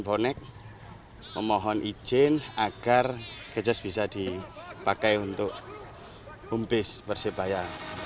memohon bonik memohon izin agar gajas bisa dipakai untuk homebase persebaya